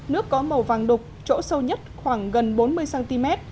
nước có màu vàng đục chỗ sâu nhất khoảng gần bốn mươi cm